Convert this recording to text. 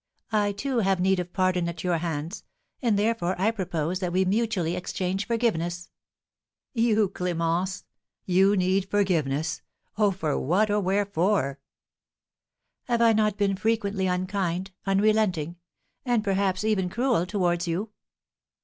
I, too, have need of pardon at your hands, and therefore I propose that we mutually exchange forgiveness." "You, Clémence! You need forgiveness! Oh, for what, or wherefore?" "Have I not been frequently unkind, unrelenting, and perhaps even cruel, towards you?